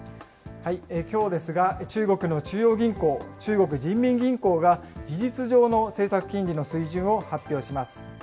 きょうですが、中国の中央銀行、中国人民銀行が事実上の政策金利の水準を発表します。